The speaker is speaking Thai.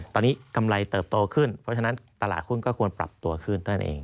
ตอนนี้กำไรเติบโตขึ้นเพราะฉะนั้นตลาดหุ้นก็ควรปรับตัวขึ้นนั่นเอง